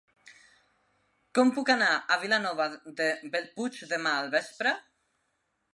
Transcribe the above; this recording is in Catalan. Com puc anar a Vilanova de Bellpuig demà al vespre?